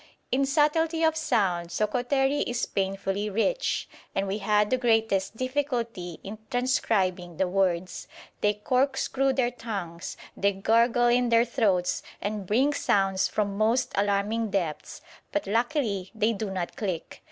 In subtlety of sound Sokoteri is painfully rich, and we had the greatest difficulty in transcribing the words. They corkscrew their tongues, they gurgle in their throats, and bring sounds from most alarming depths, but luckily they do not click.